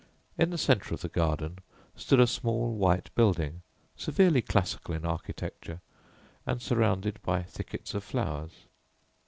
In the centre of the garden stood a small, white building, severely classical in architecture, and surrounded by thickets of flowers.